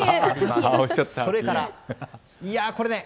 それから、いやこれね。